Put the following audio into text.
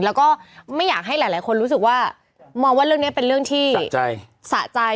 แล้วก็ไม่อยากให้หลายคนรู้สึกว่ามองว่าเรื่องนี้เป็นเรื่องที่สะใจ